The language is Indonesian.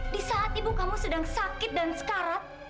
di saat ibu kamu sedang sakit dan sekarat